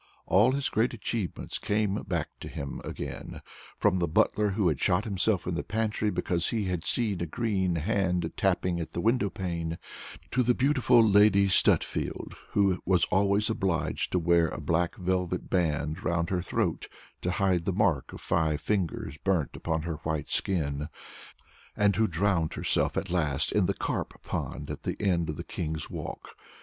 All his great achievements came back to him again, from the butler who had shot himself in the pantry because he had seen a green hand tapping at the windowpane, to the beautiful Lady Stutfield, who was always obliged to wear a black velvet band round her throat to hide the mark of five fingers burnt upon her white skin, and who drowned herself at last in the carp pond at the end of the King's Walk.